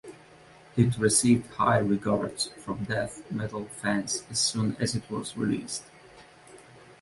It received high regards from death metal fans as soon as it was released.